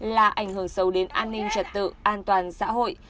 là ảnh hưởng sâu đến an ninh trật tự an toàn xã hội